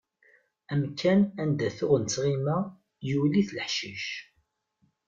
Amkan anda tuɣ nettɣima yuli-t leḥcic.